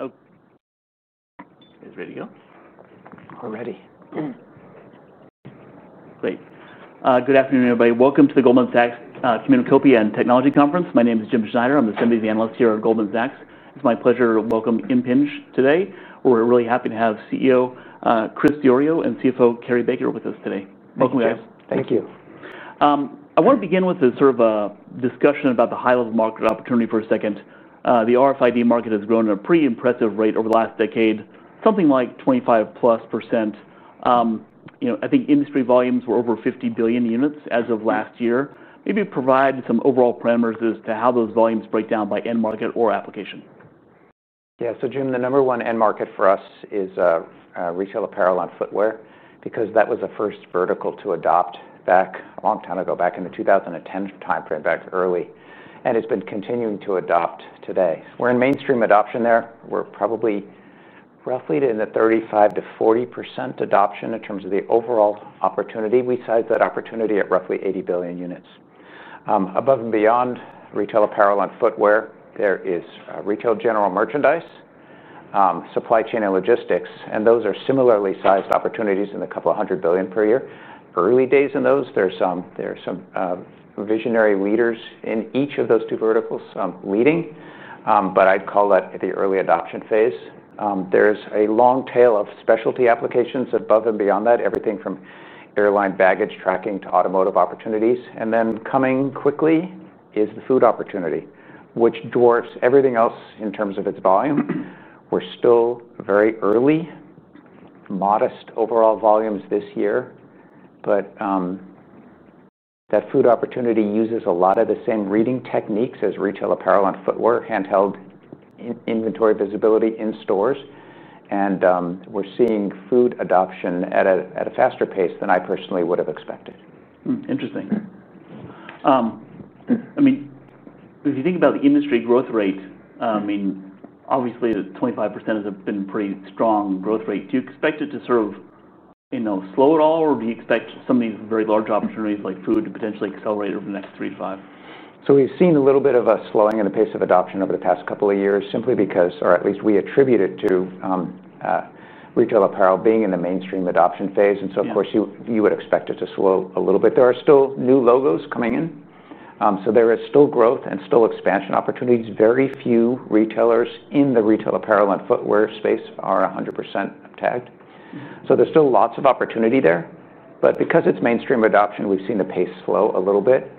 Is ready to go? I'm ready. Great. Good afternoon, everybody. Welcome to the Goldman Sachs Communicopia and Technology Conference. My name is Jim Schneider. I'm the Senior Analyst here at Goldman Sachs. It's my pleasure to welcome Impinj today. We're really happy to have CEO Chris Diorio and CFO Cary Baker with us today. Welcome, guys. Thank you. I want to begin with a sort of a discussion about the high-level market opportunity for a second. The RAIN RFID market has grown at a pretty impressive rate over the last decade, something like 25% plus. I think industry volumes were over 50 billion units as of last year. Maybe provide some overall parameters as to how those volumes break down by end market or application. Yeah, so Jim, the number one end market for us is retail apparel and footwear because that was the first vertical to adopt back a long time ago, back in the 2010 time frame, back early. It's been continuing to adopt today. We're in mainstream adoption there. We're probably roughly in the 35% to 40% adoption in terms of the overall opportunity. We size that opportunity at roughly 80 billion units. Above and beyond retail apparel and footwear, there is retail general merchandise, supply chain, and logistics. Those are similarly sized opportunities in the couple of hundred billion per year. Early days in those, there are some visionary leaders in each of those two verticals leading, but I'd call that the early adoption phase. There's a long tail of specialty applications above and beyond that, everything from airline baggage tracking to automotive opportunities. Coming quickly is the food opportunity, which dwarfs everything else in terms of its volume. We're still very early, modest overall volumes this year, but that food opportunity uses a lot of the same reading techniques as retail apparel and footwear, handheld inventory visibility in stores. We're seeing food adoption at a faster pace than I personally would have expected. Interesting. If you think about the industry growth rate, obviously the 25% has been a pretty strong growth rate. Do you expect it to sort of slow at all, or do you expect some of these very large opportunities like food to potentially accelerate over the next three to five? We have seen a little bit of a slowing in the pace of adoption over the past couple of years simply because, or at least we attribute it to retail apparel being in the mainstream adoption phase. Of course, you would expect it to slow a little bit. There are still new logos coming in, so there is still growth and still expansion opportunities. Very few retailers in the retail apparel and footwear space are 100% tagged, so there's still lots of opportunity there. Because it's mainstream adoption, we've seen the pace slow a little bit.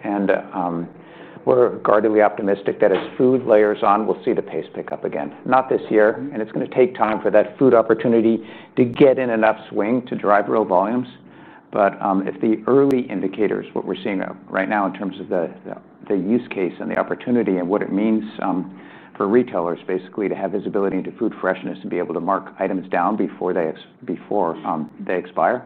We're guardedly optimistic that as food layers on, we'll see the pace pick up again, not this year. It's going to take time for that food opportunity to get in enough swing to drive real volumes. If the early indicators, what we're seeing right now in terms of the use case and the opportunity and what it means for retailers basically to have visibility into food freshness and be able to mark items down before they expire,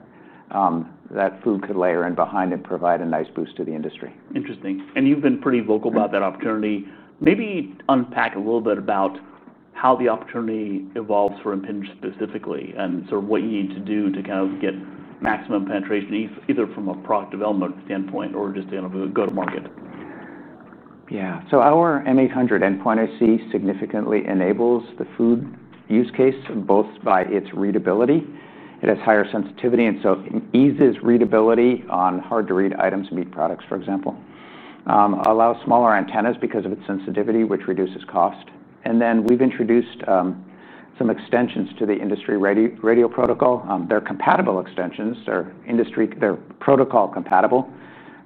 that food could layer in behind and provide a nice boost to the industry. Interesting. You've been pretty vocal about that opportunity. Maybe unpack a little bit about how the opportunity evolves for Impinj specifically and what you need to do to get maximum penetration either from a product development standpoint or just to go to market. Yeah, so our M800 endpoint IC significantly enables the food use case both by its readability. It has higher sensitivity, so it eases readability on hard-to-read items and meat products, for example. It allows smaller antennas because of its sensitivity, which reduces cost. We've introduced some extensions to the industry radio protocol. They're compatible extensions, they're protocol compatible,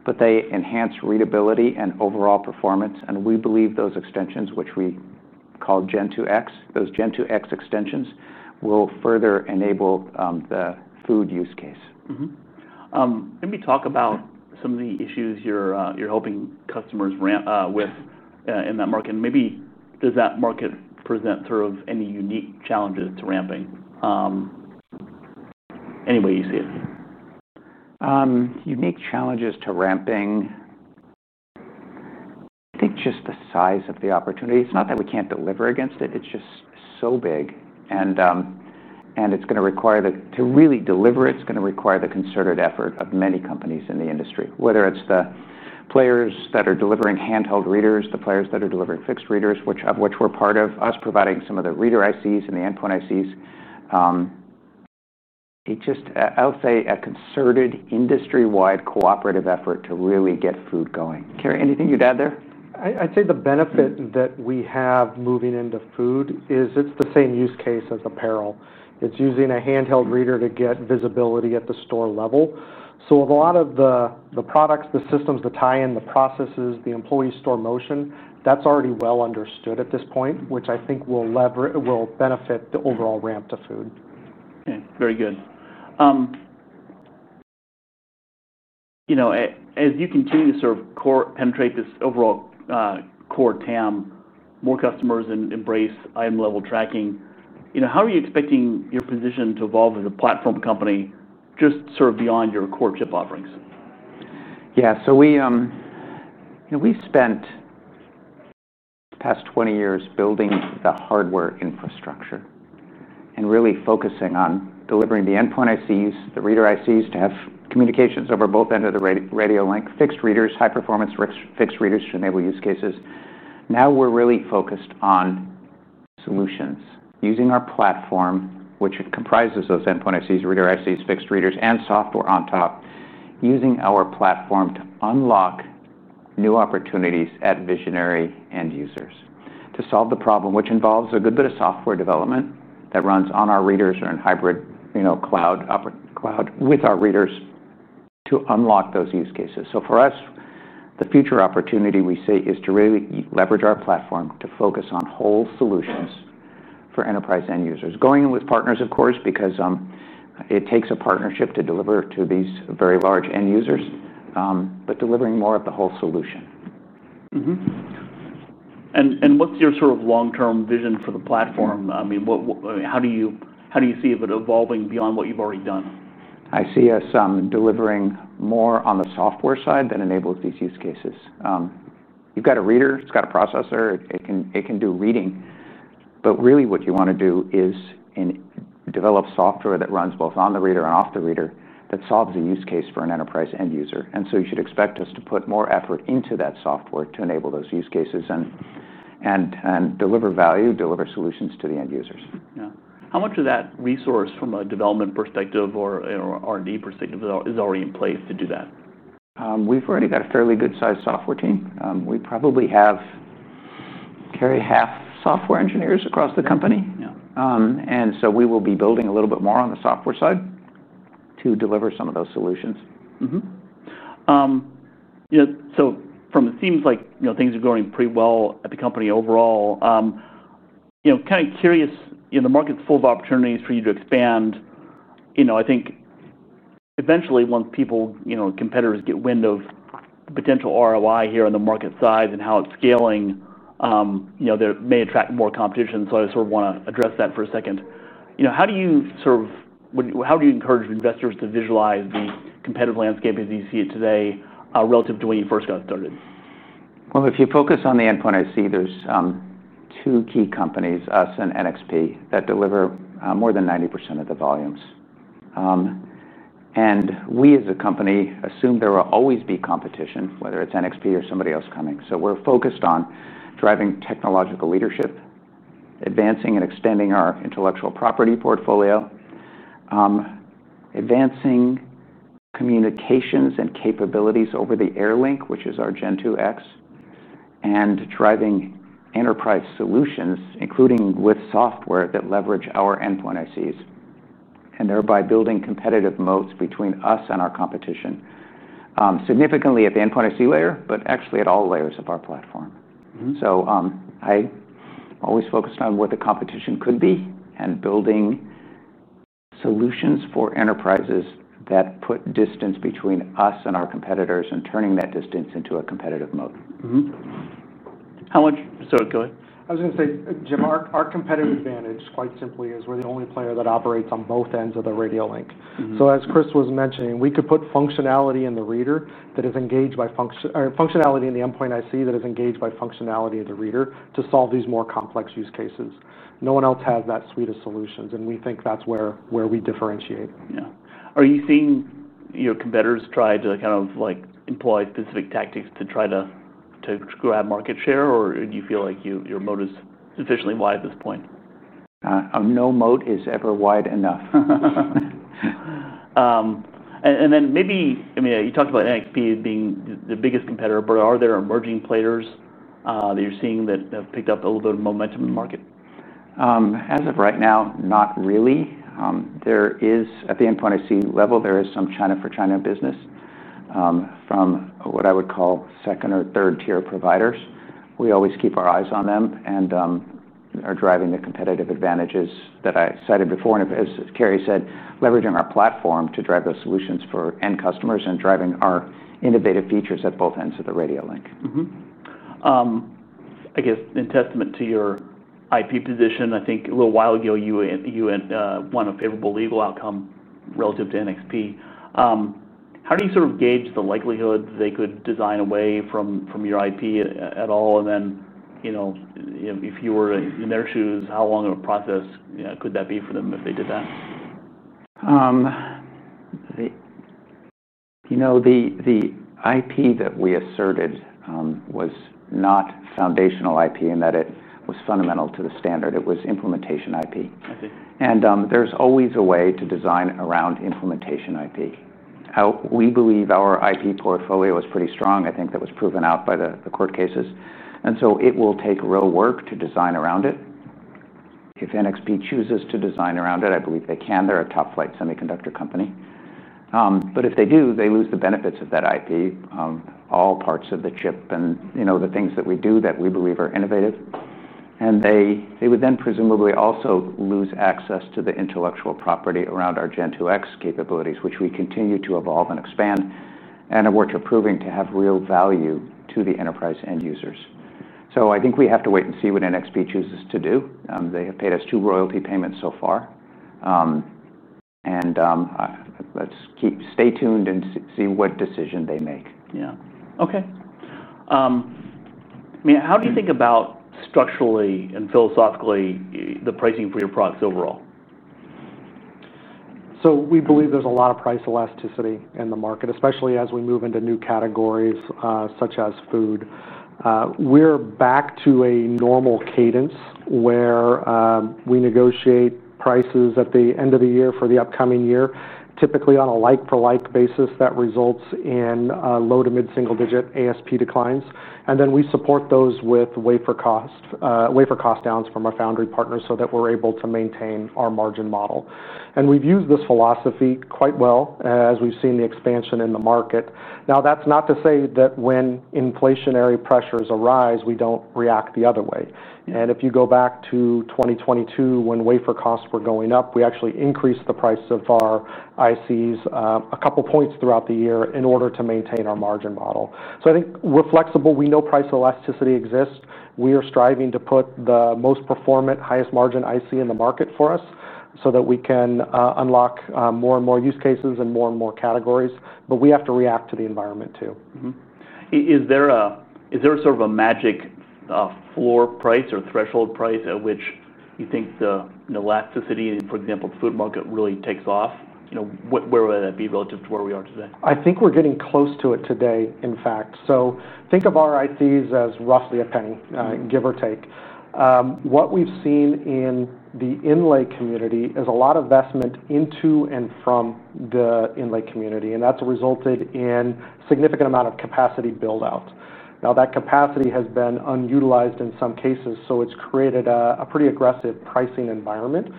but they enhance readability and overall performance. We believe those extensions, which we call Gen 2X, those Gen 2X extensions will further enable the food use case. Let me talk about some of the issues you're helping customers ramp with in that market. Does that market present sort of any unique challenges to ramping? Any way you see it. Unique challenges to ramping, I think just the size of the opportunity. It's not that we can't deliver against it. It's just so big. It's going to require, to really deliver it, the concerted effort of many companies in the industry, whether it's the players that are delivering handheld readers, the players that are delivering fixed readers, of which we're part of, us providing some of the reader ICs and the endpoint ICs. It's just, I'll say, a concerted industry-wide cooperative effort to really get food going. Cary, anything you'd add there? I'd say the benefit that we have moving into food is it's the same use case as apparel. It's using a handheld reader to get visibility at the store level. A lot of the products, the systems, the tie-in, the processes, the employee store motion, that's already well understood at this point, which I think will benefit the overall ramp to food. Very good. As you continue to sort of penetrate this overall core TAM, more customers embrace item level tracking. How are you expecting your position to evolve as a platform company just sort of beyond your core chip offerings? Yeah, we spent the past 20 years building the hardware infrastructure and really focusing on delivering the endpoint ICs, the reader ICs to have communications over both ends of the radio link, fixed readers, high performance fixed readers to enable use cases. Now we're really focused on solutions, using our platform, which comprises those endpoint ICs, reader ICs, fixed readers, and software on top, using our platform to unlock new opportunities at visionary end users to solve the problem, which involves a good bit of software development that runs on our readers or in hybrid cloud with our readers to unlock those use cases. For us, the future opportunity we see is to really leverage our platform to focus on whole solutions for enterprise end users, going with partners, of course, because it takes a partnership to deliver to these very large end users, but delivering more of the whole solution. What is your sort of long-term vision for the platform? I mean, how do you see it evolving beyond what you've already done? I see us delivering more on the software side that enables these use cases. You've got a reader, it's got a processor, it can do reading. What you want to do is develop software that runs both on the reader and off the reader that solves a use case for an enterprise end user. You should expect us to put more effort into that software to enable those use cases and deliver value, deliver solutions to the end users. How much of that resource from a development perspective or R&D perspective is already in place to do that? We've already got a fairly good-sized software team. We probably have Cary, half software engineers across the company, and we will be building a little bit more on the software side to deliver some of those solutions. It seems like things are going pretty well at the company overall. I'm kind of curious, the market's full of opportunities for you to expand. I think eventually once competitors get wind of potential ROI here in the market size and how it's scaling, that may attract more competition. I just want to address that for a second. How do you encourage investors to visualize the competitive landscape as you see it today relative to when you first got started? If you focus on the endpoint, I see there's two key companies, us and NXP, that deliver more than 90% of the volumes. We as a company assume there will always be competition, whether it's NXP or somebody else coming. We're focused on driving technological leadership, advancing and extending our intellectual property portfolio, advancing communications and capabilities over the Airlink, which is our Gen 2X, and driving enterprise solutions, including with software that leverage our endpoint ICs, and thereby building competitive moats between us and our competition significantly at the endpoint IC layer, but actually at all layers of our platform. I'm always focused on what the competition could be and building solutions for enterprises that put distance between us and our competitors and turning that distance into a competitive moat. I was going to say, Jim, our competitive advantage quite simply is we're the only player that operates on both ends of the radio link. As Chris was mentioning, we could put functionality in the reader that is engaged by functionality in the endpoint IC that is engaged by functionality of the reader to solve these more complex use cases. No one else has that suite of solutions, and we think that's where we differentiate. Yeah. Are you seeing your competitors try to kind of like employ specific tactics to try to grab market share, or do you feel like your moat is sufficiently wide at this point? No mode is ever wide enough. You talked about NXP being the biggest competitor, but are there emerging players that you're seeing that have picked up a little bit of momentum in the market? As of right now, not really. There is at the endpoint IC level, there is some China for China business from what I would call second or third tier providers. We always keep our eyes on them and are driving the competitive advantages that I cited before. As Cary said, leveraging our platform to drive those solutions for end customers and driving our innovative features at both ends of the radio link. I guess in testament to your IP position, I think a little while ago you won a favorable legal outcome relative to NXP. How do you sort of gauge the likelihood that they could design away from your IP at all? If you were in their shoes, how long of a process could that be for them if they did that? You know, the IP that we asserted was not foundational IP in that it was fundamental to the standard. It was implementation IP, and there's always a way to design around implementation IP. We believe our IP portfolio is pretty strong. I think that was proven out by the court cases. It will take real work to design around it. If NXP chooses to design around it, I believe they can. They're a top-flight semiconductor company. If they do, they lose the benefits of that IP, all parts of the chip and the things that we do that we believe are innovative. They would then presumably also lose access to the intellectual property around our Gen 2X capabilities, which we continue to evolve and expand and are proving to have real value to the enterprise end users. I think we have to wait and see what NXP chooses to do. They have paid us two royalty payments so far. Let's stay tuned and see what decision they make. Yeah. Okay. I mean, how do you think about structurally and philosophically the pricing for your products overall? We believe there's a lot of price elasticity in the market, especially as we move into new categories such as food. We're back to a normal cadence where we negotiate prices at the end of the year for the upcoming year, typically on a like-for-like basis that results in low to mid-single-digit ASP declines. We support those with wafer cost downs from our foundry partners so that we're able to maintain our margin model. We've used this philosophy quite well as we've seen the expansion in the market. That's not to say that when inflationary pressures arise, we don't react the other way. If you go back to 2022 when wafer costs were going up, we actually increased the price of our ICs a couple of points throughout the year in order to maintain our margin model. I think we're flexible. We know price elasticity exists. We are striving to put the most performant, highest margin IC in the market for us so that we can unlock more and more use cases and more and more categories. We have to react to the environment too. Is there a sort of a magic floor price or threshold price at which you think the elasticity, for example, the food market really takes off? Where would that be relative to where we are today? I think we're getting close to it today, in fact. Think of our ICs as roughly $0.01, give or take. What we've seen in the inlay community is a lot of investment into and from the inlay community. That's resulted in a significant amount of capacity buildout. Now that capacity has been unutilized in some cases, so it's created a pretty aggressive pricing environment.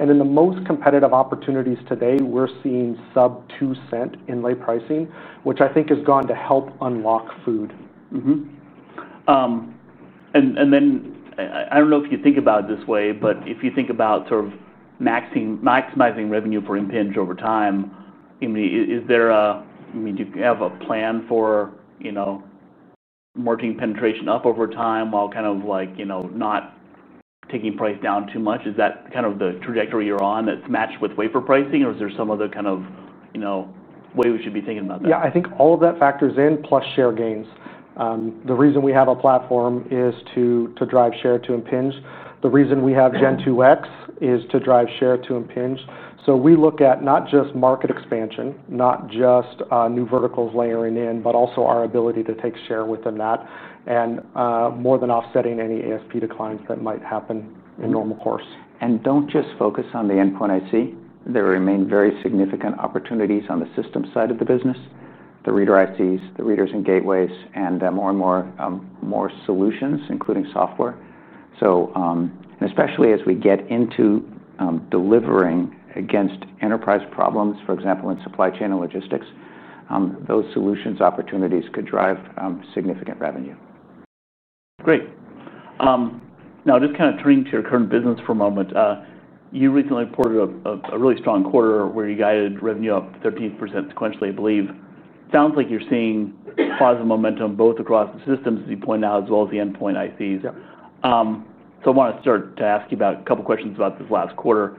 In the most competitive opportunities today, we're seeing sub-$0.02 inlay pricing, which I think has gone to help unlock food. If you think about sort of maximizing revenue for Impinj over time, do you have a plan for marketing penetration up over time while kind of like, you know, not taking price down too much? Is that kind of the trajectory you're on that's matched with wafer pricing, or is there some other kind of, you know, way we should be thinking about that? I think all of that factors in, plus share gains. The reason we have a platform is to drive share to Impinj. The reason we have Gen 2X is to drive share to Impinj. We look at not just market expansion, not just new verticals layering in, but also our ability to take share within that and more than offsetting any ASP declines that might happen in normal course. Don't just focus on the endpoint IC. There remain very significant opportunities on the system side of the business, the reader ICs, the readers and gateways, and more and more solutions, including software. Especially as we get into delivering against enterprise problems, for example, in supply chain and logistics, those solutions opportunities could drive significant revenue. Great. Now, just kind of turning to your current business for a moment, you recently reported a really strong quarter where you guided revenue up 13% sequentially, I believe. It sounds like you're seeing positive momentum both across the systems as you point out, as well as the endpoint ICs. I want to start to ask you about a couple of questions about this last quarter.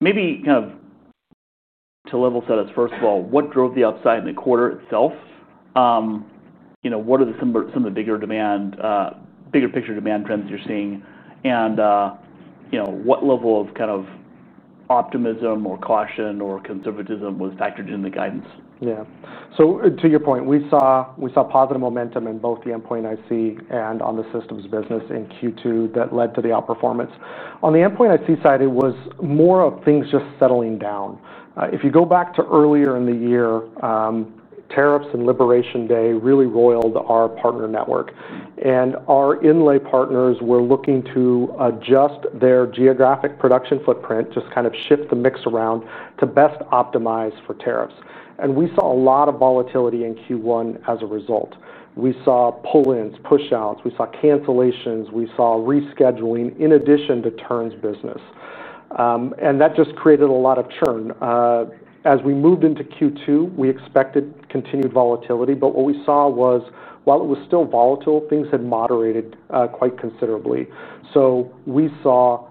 Maybe kind of to level set us, first of all, what drove the upside in the quarter itself? What are some of the bigger picture demand trends you're seeing? What level of optimism or caution or conservatism was factored in the guidance? Yeah. To your point, we saw positive momentum in both the endpoint IC and on the systems business in Q2 that led to the outperformance. On the endpoint IC side, it was more of things just settling down. If you go back to earlier in the year, tariffs and Liberation Day really roiled our partner network. Our inlay partners were looking to adjust their geographic production footprint, just kind of shift the mix around to best optimize for tariffs. We saw a lot of volatility in Q1 as a result. We saw pull-ins, push-outs, cancellations, and rescheduling in addition to turn business. That just created a lot of churn. As we moved into Q2, we expected continued volatility. What we saw was while it was still volatile, things had moderated quite considerably. We saw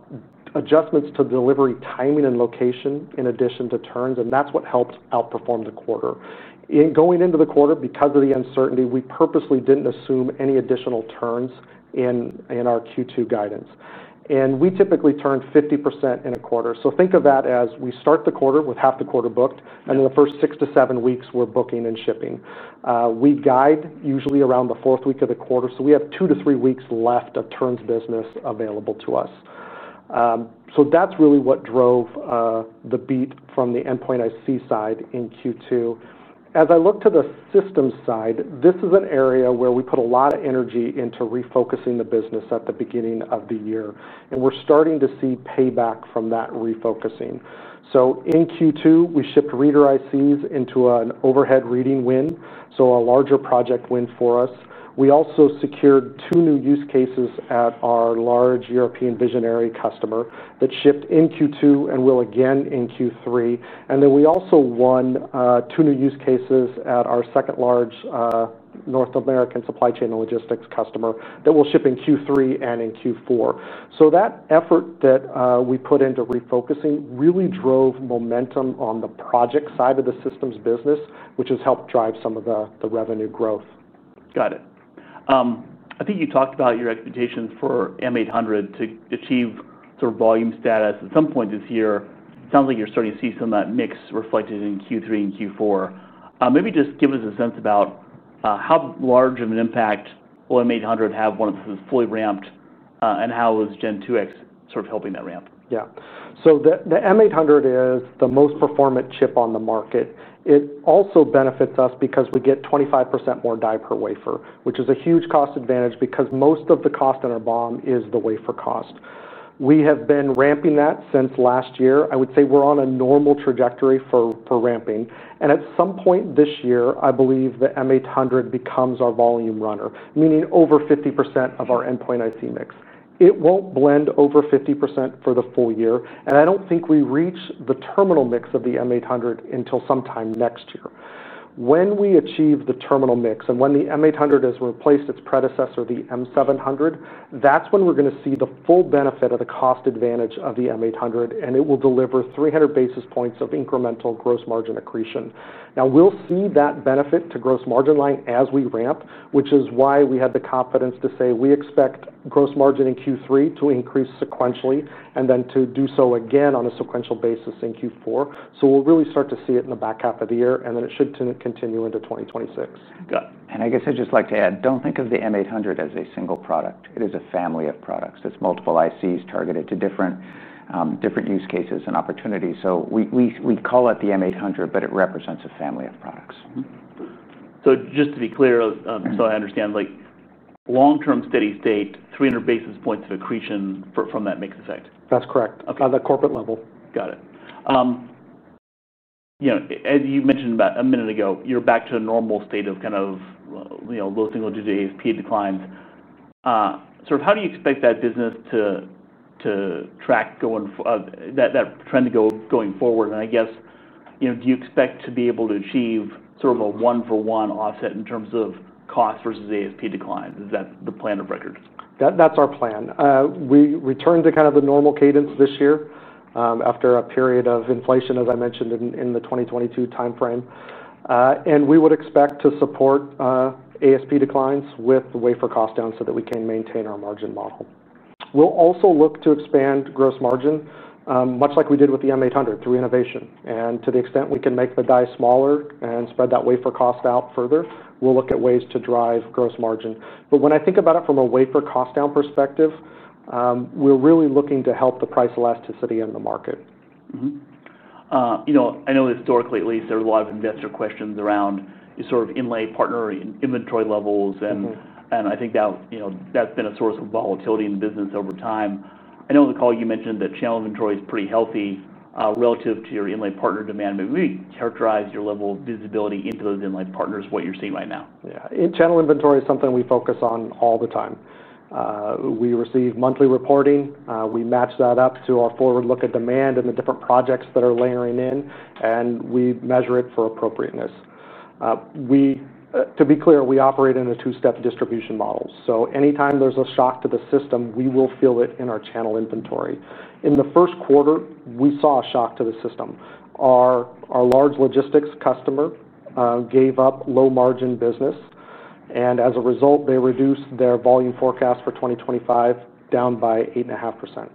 adjustments to delivery timing and location in addition to turns, and that's what helped outperform the quarter. In going into the quarter, because of the uncertainty, we purposely didn't assume any additional turns in our Q2 guidance. We typically turn 50% in a quarter. Think of that as we start the quarter with half the quarter booked, and then the first six to seven weeks we're booking and shipping. We guide usually around the fourth week of the quarter, so we have two to three weeks left of turn business available to us. That's really what drove the beat from the endpoint IC side in Q2. As I look to the systems side, this is an area where we put a lot of energy into refocusing the business at the beginning of the year, and we're starting to see payback from that refocusing. In Q2, we shipped reader ICs into an overhead reading win, a larger project win for us. We also secured two new use cases at our large European visionary customer that shipped in Q2 and will again in Q3. We also won two new use cases at our second large North American supply chain and logistics customer that will ship in Q3 and in Q4. That effort that we put into refocusing really drove momentum on the project side of the systems business, which has helped drive some of the revenue growth. Got it. I think you talked about your expectations for M800 to achieve volume status at some point this year. It sounds like you're starting to see some of that mix reflected in Q3 and Q4. Maybe just give us a sense about how large of an impact will M800 have once it's fully ramped and how is Gen 2X sort of helping that ramp? Yeah. The M800 is the most performant chip on the market. It also benefits us because we get 25% more die per wafer, which is a huge cost advantage because most of the cost in our BOM is the wafer cost. We have been ramping that since last year. I would say we're on a normal trajectory for ramping. At some point this year, I believe the M800 becomes our volume runner, meaning over 50% of our endpoint IC mix. It won't blend over 50% for the full year. I don't think we reach the terminal mix of the M800 until sometime next year. When we achieve the terminal mix and when the M800 has replaced its predecessor, the M700, that's when we're going to see the full benefit of the cost advantage of the M800, and it will deliver 300 basis points of incremental gross margin accretion. We will see that benefit to the gross margin line as we ramp, which is why we had the confidence to say we expect gross margin in Q3 to increase sequentially and then to do so again on a sequential basis in Q4. We will really start to see it in the back half of the year, and it should continue into 2026. I guess I'd just like to add, don't think of the M800 as a single product. It is a family of products. It's multiple ICs targeted to different use cases and opportunities. We call it the M800, but it represents a family of products. Just to be clear, so I understand, like long-term steady state, 300 basis points of accretion from that mix effect. That's correct, at the corporate level. Got it. As you mentioned about a minute ago, you're back to a normal state of kind of low single-digit ASP declines. How do you expect that business to track, that trend to go going forward? I guess, do you expect to be able to achieve sort of a one-for-one offset in terms of cost versus ASP declines? Is that the plan of record? That's our plan. We return to kind of a normal cadence this year after a period of inflation, as I mentioned, in the 2022 timeframe. We would expect to support ASP declines with wafer cost down so that we can maintain our margin model. We'll also look to expand gross margin much like we did with the M800 through innovation. To the extent we can make the die smaller and spread that wafer cost out further, we'll look at ways to drive gross margin. When I think about it from a wafer cost down perspective, we're really looking to help the price elasticity in the market. I know historically, at least there's a lot of investor questions around your sort of inlay partner inventory levels. I think that's been a source of volatility in the business over time. I know on the call you mentioned that channel inventory is pretty healthy relative to your inlay partner demand. Maybe characterize your level of visibility into those inlay partners, what you're seeing right now. Yeah, channel inventory is something we focus on all the time. We receive monthly reporting. We match that up to a forward look at demand and the different projects that are layering in, and we measure it for appropriateness. To be clear, we operate in a two-step distribution model. Anytime there's a shock to the system, we will fill it in our channel inventory. In the first quarter, we saw a shock to the system. Our large logistics customer gave up low margin business, and as a result, they reduced their volume forecast for 2025 down by 8.5%.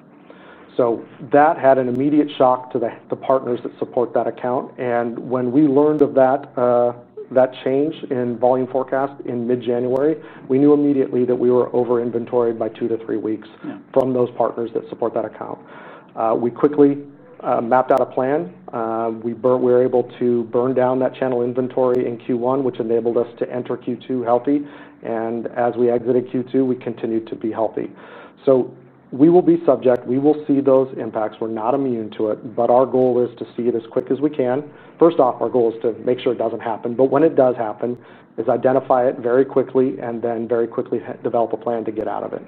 That had an immediate shock to the partners that support that account. When we learned of that change in volume forecast in mid-January, we knew immediately that we were over-inventoried by two to three weeks from those partners that support that account. We quickly mapped out a plan. We were able to burn down that channel inventory in Q1, which enabled us to enter Q2 healthy. As we exited Q2, we continued to be healthy. We will be subject. We will see those impacts. We're not immune to it, but our goal is to see it as quick as we can. First off, our goal is to make sure it doesn't happen. When it does happen, identify it very quickly and then very quickly develop a plan to get out of it.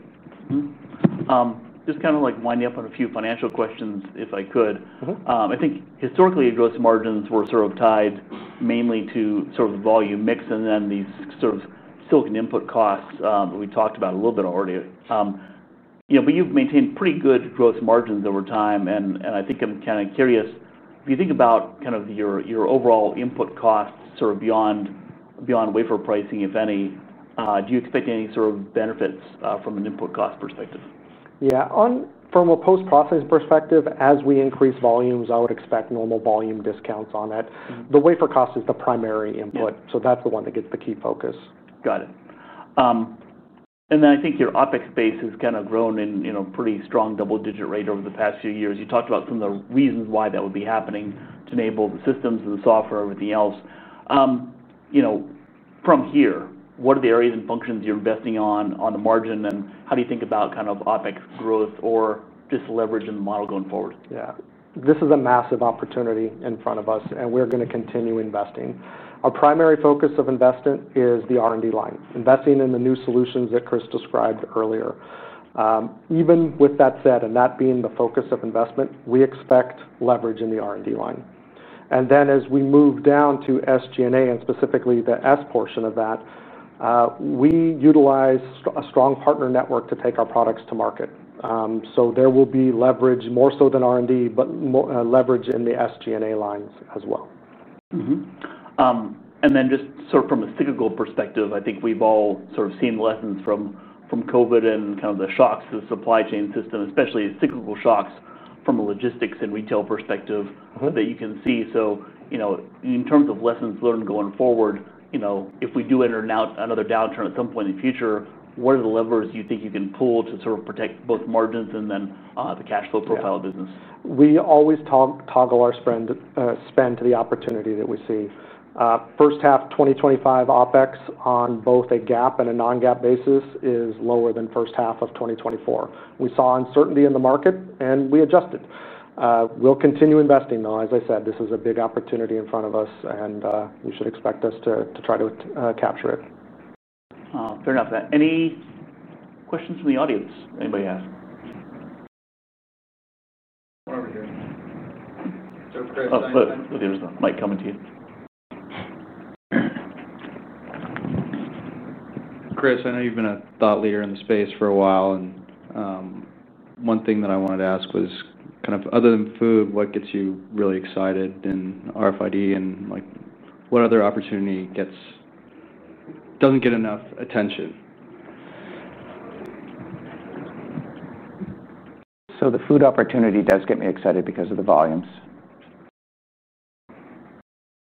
Just winding up on a few financial questions, if I could. I think historically, your gross margins were tied mainly to the volume mix and then these silicon input costs we talked about a little bit already. You've maintained pretty good gross margins over time. I think I'm curious, if you think about your overall input costs beyond wafer pricing, if any, do you expect any benefits from an input cost perspective? From a post-processing perspective, as we increase volumes, I would expect normal volume discounts on it. The wafer cost is the primary input. That's the one that gets the key focus. Got it. I think your OpEx base has kind of grown at a pretty strong double-digit rate over the past few years. You talked about some of the reasons why that would be happening to enable the systems and the software and everything else. From here, what are the areas and functions you're investing on the margin, and how do you think about OpEx growth or just leveraging the model going forward? Yeah, this is a massive opportunity in front of us and we're going to continue investing. Our primary focus of investment is the R&D line, investing in the new solutions that Chris described earlier. Even with that said, and that being the focus of investment, we expect leverage in the R&D line. As we move down to SG&A and specifically the S portion of that, we utilize a strong partner network to take our products to market. There will be leverage more so than R&D, but leverage in the SG&A lines as well. From a cyclical perspective, I think we've all seen lessons from COVID and the shocks to the supply chain system, especially cyclical shocks from a logistics and retail perspective that you can see. In terms of lessons learned going forward, if we do enter another downturn at some point in the future, what are the levers you think you can pull to protect both margins and the cash flow profile of business? We always toggle our spend to the opportunity that we see. First half 2025 OpEx on both a GAAP and a non-GAAP basis is lower than first half of 2024. We saw uncertainty in the market and we adjusted. We'll continue investing though. As I said, this is a big opportunity in front of us and we should expect us to try to capture it. Fair enough. Any questions from the audience? Anybody has? There's a mic coming to you. Chris, I know you've been a thought leader in the space for a while. One thing that I wanted to ask was, other than food, what gets you really excited in RFID and what other opportunity doesn't get enough attention? The food opportunity does get me excited because of the volumes.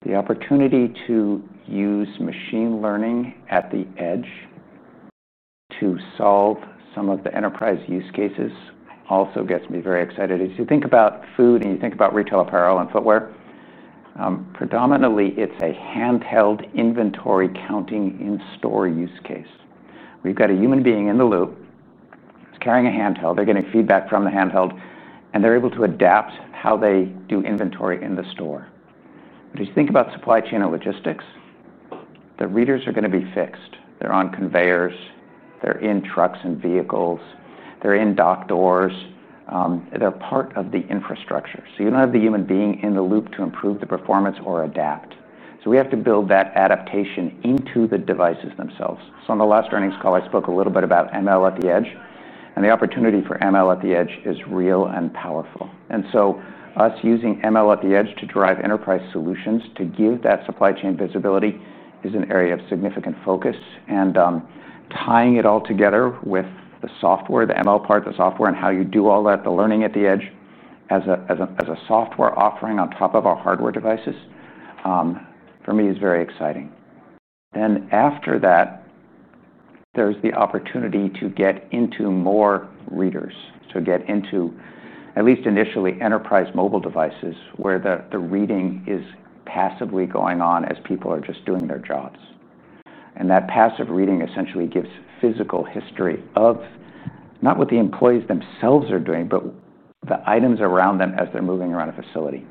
The opportunity to use machine learning at the edge to solve some of the enterprise use cases also gets me very excited. As you think about food and you think about retail apparel and footwear, predominantly it's a handheld inventory counting in-store use case. We've got a human being in the loop. It's carrying a handheld. They're getting feedback from the handheld, and they're able to adapt how they do inventory in the store. If you think about supply chain and logistics, the readers are going to be fixed. They're on conveyors, they're in trucks and vehicles, they're in dock doors, they're part of the infrastructure. You don't have the human being in the loop to improve the performance or adapt. We have to build that adaptation into the devices themselves. On the last earnings call, I spoke a little bit about machine learning at the edge. The opportunity for machine learning at the edge is real and powerful. Us using machine learning at the edge to drive enterprise solutions to give that supply chain visibility is an area of significant focus. Tying it all together with the software, the machine learning part, the software, and how you do all that, the learning at the edge as a software offering on top of our hardware devices, for me, is very exciting. After that, there's the opportunity to get into more readers, to get into at least initially enterprise mobile devices where the reading is passively going on as people are just doing their jobs. That passive reading essentially gives physical history of not what the employees themselves are doing, but the items around them as they're moving around a facility.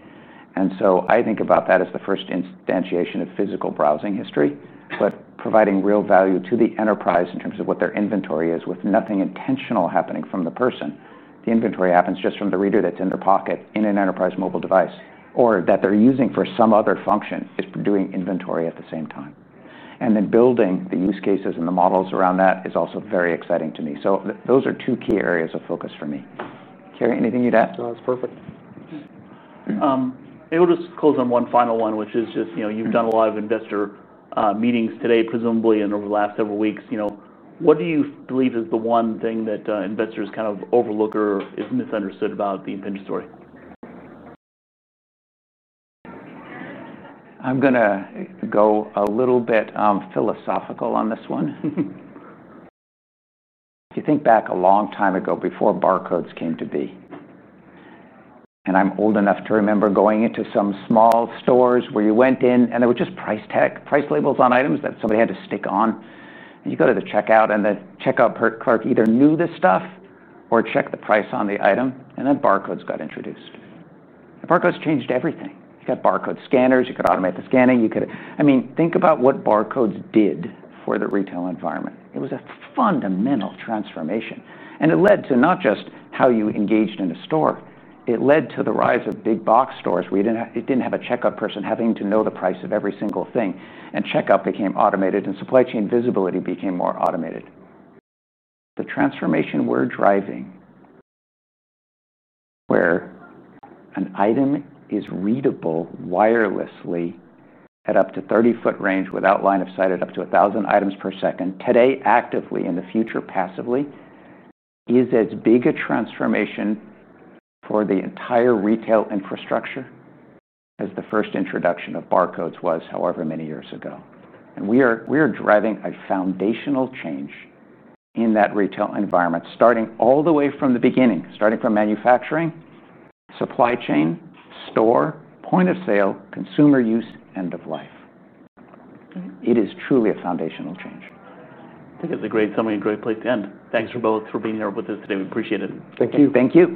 I think about that as the first instantiation of physical browsing history, but providing real value to the enterprise in terms of what their inventory is with nothing intentional happening from the person. The inventory happens just from the reader that's in their pocket in an enterprise mobile device or that they're using for some other function is doing inventory at the same time. Building the use cases and the models around that is also very exciting to me. Those are two key areas of focus for me. Cary, anything you'd add? No, that's perfect. We'll just close on one final one, which is just, you know, you've done a lot of investor meetings today, presumably, and over the last several weeks, you know, what do you believe is the one thing that investors kind of overlook or is misunderstood about the Impinj story? I'm going to go a little bit philosophical on this one. If you think back a long time ago before barcodes came to be, and I'm old enough to remember going into some small stores where you went in and it was just price tag, price labels on items that somebody had to stick on. You go to the checkout and the checkout clerk either knew this stuff or checked the price on the item, and then barcodes got introduced. Barcodes changed everything. You got barcode scanners, you could automate the scanning, you could, I mean, think about what barcodes did for the retail environment. It was a fundamental transformation. It led to not just how you engaged in a store, it led to the rise of big box stores where you didn't have a checkout person having to know the price of every single thing. Checkout became automated and supply chain visibility became more automated. The transformation we're driving where an item is readable wirelessly at up to 30 foot range without line of sight at up to 1,000 items per second, today actively, in the future passively, is as big a transformation for the entire retail infrastructure as the first introduction of barcodes was however many years ago. We are driving a foundational change in that retail environment, starting all the way from the beginning, starting from manufacturing, supply chain, store, point of sale, consumer use, end of life. It is truly a foundational change. I think it's a great summary, a great place to end. Thanks to both for being here with us today. We appreciate it. Thank you. Thank you.